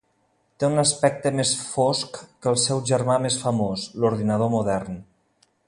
Té un aspecte més fosc que el seu germà més famós, l'ordinador modern.